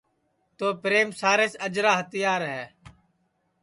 تو پریم سارے سے اجرا ہتیار ہے